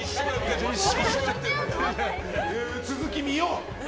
続き、見よう。